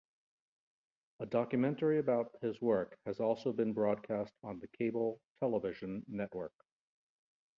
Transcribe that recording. A documentary about his work has also been broadcast on the Cable Television network.